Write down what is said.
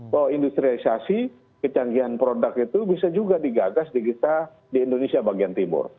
bahwa industrialisasi kecanggihan produk itu bisa juga digagas di kita di indonesia bagian timur